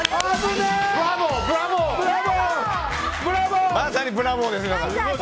まさにブラボーですよ！